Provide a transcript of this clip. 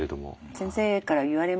先生から言われました。